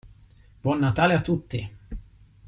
Buon Natale a tutti!